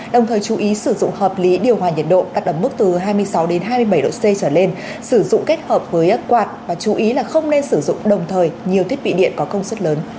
đồng thời chú ý sử dụng hợp lý điều hòa nhiệt độ đặt ở mức từ hai mươi sáu hai mươi bảy độ c trở lên sử dụng kết hợp với quạt và chú ý là không nên sử dụng đồng thời nhiều thiết bị điện có công suất lớn